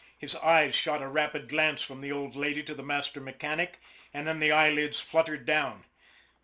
His eyes shot a rapid glance from the old lady to the master mechanic, and then the eyelids fluttered down.